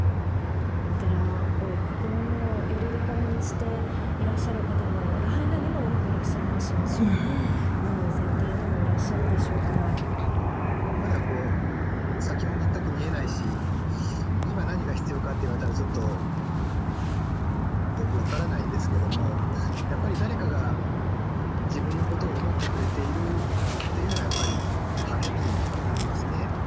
お寺を心のよりどころにしていらっしゃる方も、ラハイナにも多くいらっしゃいますし、もちろんね、マウイ全体でもいらっしゃまだ先も全く見えないし、今、何が必要かって言われたらちょっとよく分からないんですけれども、やっぱり誰かが自分のことを思ってくれているっていうのが、やっぱり励みになりますね。